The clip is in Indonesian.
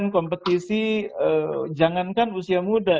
kompetisi jangankan usia muda